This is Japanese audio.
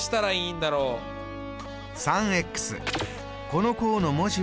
この項の文字は。